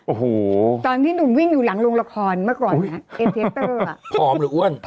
โอ้โหตอนที่หนุ่มวิ่งอยู่หลังโรงละครเมื่อก่อนเนี้ยเอ็มเทสเตอร์อ่ะผอมหรืออ้วน